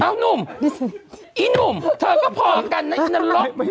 เอ้านุ่มอีนุ่มเธอก็พอกันนรก